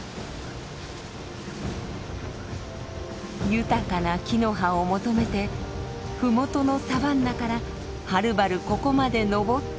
豊かな木の葉を求めて麓のサバンナからはるばるここまで登ってきたのです。